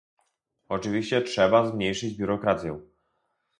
Oczywiście trzeba zmniejszyć biurokrację